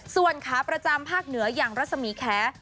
ส่วนขาประจำภาคเหนืออย่างรัศมีแค